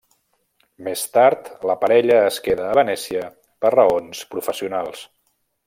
Més tard, la parella es queda a Venècia per raons professionals.